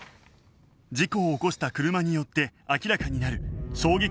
事故を起こした車によって明らかになる衝撃の事実